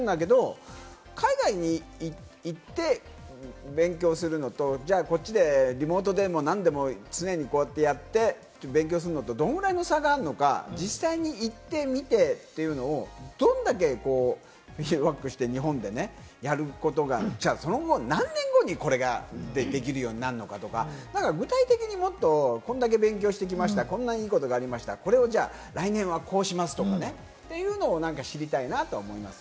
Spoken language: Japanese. だけど海外に行って勉強するのと、こっちでリモートでも何でも常にやって、勉強するのとどのくらいの差があるのか、実際に行ってみてというのを、どんだけフィードバックして日本でやることが、その後、何年後にこれができるようになるのかとか、具体的にもっと、こんだけ勉強してきました、こんないいことがありました、これを来年はこうしますとか、というのを知りたいなと思います。